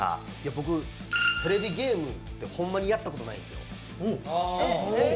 僕、テレビゲームってホンマやったことないんですよ。